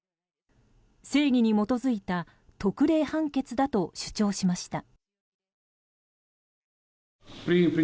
正義に基づいた特例判決だと主張しました。